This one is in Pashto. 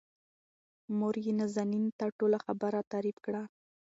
موريې نازنين ته ټوله خبره تعريف کړه.